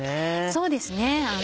そうですね。